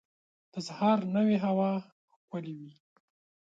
د سهار نوی هوا ښکلی وي.